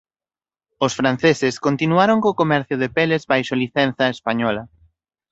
Os franceses continuaron co comercio de peles baixo licenza española.